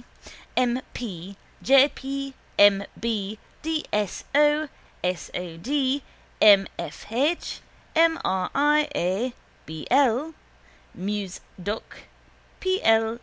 B., M. P., J. P., M. B., D. S. O., S. O. D., M. F. H., M. R. I. A., B. L., Mus. Doc., P. L.